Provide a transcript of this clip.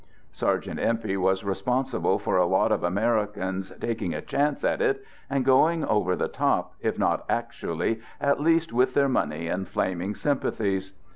Sergeant Empey was responsible for a lot of Americans taking a chance at it, and going " over the top," if not actually, at least with their money and flaming sympathies.